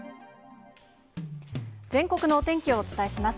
全国のお天気をお伝えします。